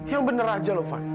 yang bener aja lo van